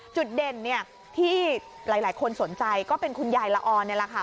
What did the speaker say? จุดเด่นที่หลายคนสนใจก็เป็นคุณยายละออนนี่แหละค่ะ